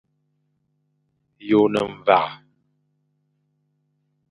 Ye o ne mwague.